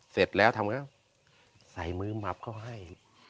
เสร็จแล้วทำไงก็ใส่มื้อหมับเขาให้